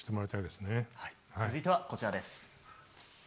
続いてはこちらです。